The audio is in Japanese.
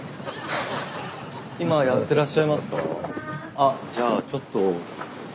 あじゃあちょっと。